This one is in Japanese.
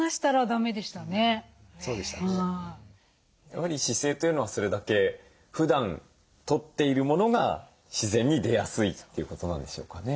やはり姿勢というのはそれだけふだんとっているものが自然に出やすいということなんでしょうかね？